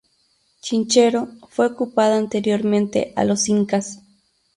Chinchero fue ocupada anteriormente a los incas.